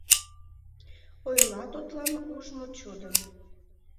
Ойла тудлан ужмо чудым: